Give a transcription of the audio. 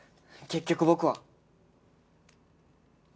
結局僕は。